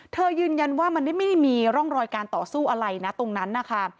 ยืนยันว่ามันไม่ได้มีร่องรอยการต่อสู้อะไรนะตรงนั้นนะคะ